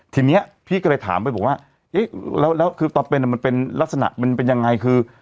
ทีนี้พี่ก็เลยถามไปบอกว่าเอ๊ะแล้วคือตอนเป็นมันเป็นลักษณะมันเป็นยังไงคือ